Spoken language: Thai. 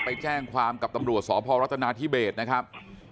ไปแจ้งความกับตำรวจสพรัฐนาธิเบสนะครับ